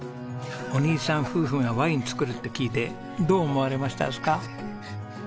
お兄さん夫婦がワイン造るって聞いてどう思われましたですか？